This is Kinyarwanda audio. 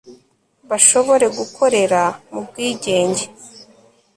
bashobore gukorera mu bwigenge